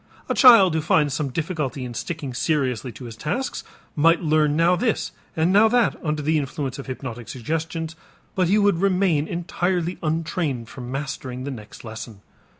A child who finds some difficulty in sticking seriously to his tasks might learn now this and now that under the influence of hypnotic suggestions but he would remain entirely untrained for mastering the next lesson.